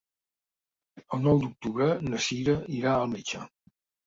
El nou d'octubre na Sira irà al metge.